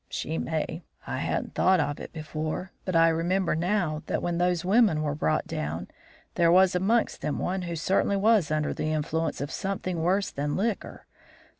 "She may. I hadn't thought of it before, but I remember, now, that when those women were brought down there was amongst them one who certainly was under the influence of something worse than liquor.